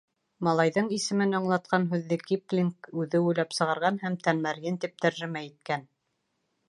Малайҙың исемен аңлатҡан һүҙҙе Киплинг үҙе уйлап сығарған һәм «тәлмәрйен» тип тәржемә иткән.